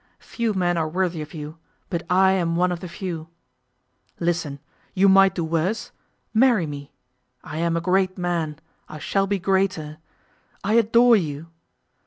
Few men are worthy of you, but I am one of the few. Listen! You might do worse. Marry me. I am a great man; I shall be greater. I adore you.